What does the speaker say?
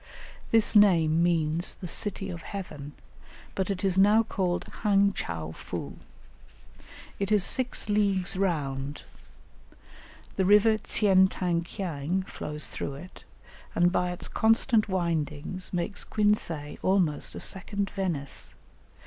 This name means the "City of Heaven," but it is now called Hang chow foo. It is six leagues round; the river Tsien tang kiang flows through it, and by its constant windings, makes Quinsay almost a second Venice.